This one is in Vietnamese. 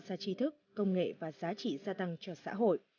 tạo ra tri thức công nghệ và giá trị gia tăng cho xã hội